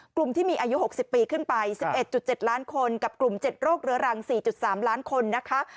กลุ่มที่มีอายุ๖๐ปีขึ้นไป๑๑๗ล้านคนกับกลุ่ม๗โรคเรื้อรัง๔๓ล้านคนนะคะ